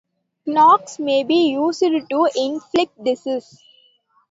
Knots may be used to inflict disease.